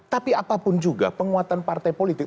tapi apapun juga penguatan partai politik